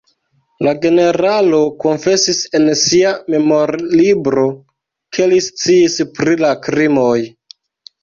La generalo konfesis en sia memorlibro, ke li sciis pri la krimoj.